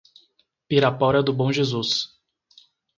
Pirapora do Bom Jesus